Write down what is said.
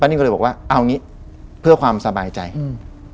นี่ก็เลยบอกว่าเอางี้เพื่อความสบายใจอืม